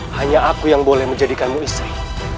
hanya aku yang boleh menjadikanmu istri